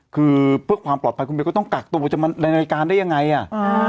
คือเพื่อความปลอดภัยคุณเบลก็ต้องกักตัวจะมาในรายการได้ยังไงอ่ะอ่า